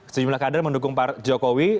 sejumlah kader mendukung pak jokowi